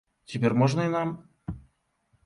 Цяпер можна і нам?